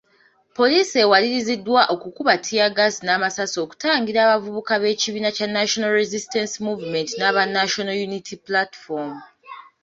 Poliisi ewaliriziddwa okukuba ttiyaggaasi n’amasasi okutangira abavubuka b’ekibiina kya National Resistance Movement n'aba National Unity Platform.